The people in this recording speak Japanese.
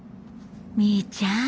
みーちゃん